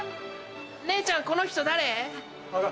姉ちゃんこの人誰？